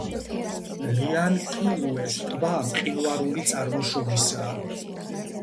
ლიანკიუეს ტბა მყინვარული წარმოშობისაა.